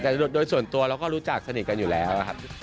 แต่โดยส่วนตัวเราก็รู้จักสนิทกันอยู่แล้วนะครับ